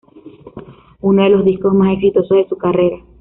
Uno de los discos más exitosos de su carrera.